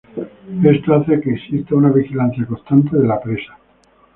Esto hace que exista una vigilancia constante de la presa.